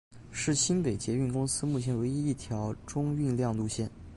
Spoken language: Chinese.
是新北捷运公司目前唯一一条中运量路线。